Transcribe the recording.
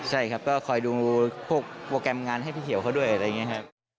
ใช่ครับก็คอยดูโปรแกรมงานให้พี่เขียวเขาด้วยครับ